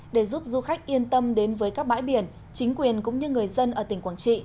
để giúp du khách yên tâm đến với các bãi biển chính quyền cũng như người dân ở tỉnh quảng trị